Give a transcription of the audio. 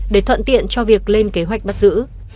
để thuận tiện cho việc lên kế hoạch bắt giữ